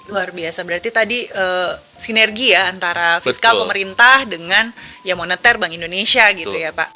luar biasa berarti tadi sinergi ya antara fiskal pemerintah dengan ya moneter bank indonesia gitu ya pak